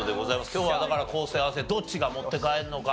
今日はだから昴生亜生どっちが持って帰るのか？